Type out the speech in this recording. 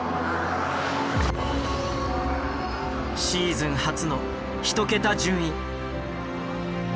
シーズン初の１桁順位。